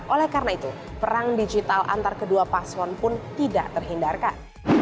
oleh karena itu perang digital antar kedua paslon pun tidak terhindarkan